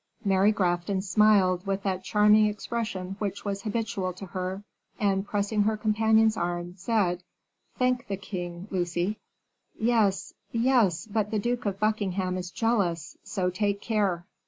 Mary Grafton smiled with that charming expression which was habitual to her, and pressing her companion's arm, said: "Thank the king, Lucy." "Yes, yes, but the Duke of Buckingham is jealous, so take care."